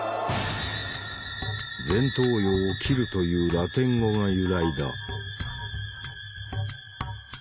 前頭葉を切るというラテン語が由来だ。